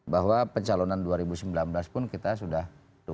bahwa pencalonan dua ribu sembilan belas pun kita sudah